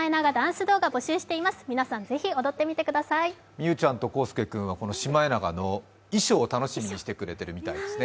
みゆちゃんとこうすけ君はシマエナガの衣装を楽しみにしてくれてるみたいですね。